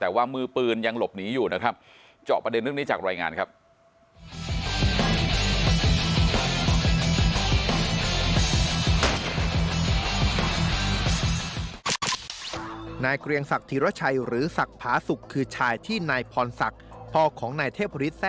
แต่ว่ามือปืนยังหลบหนีอยู่นะครับ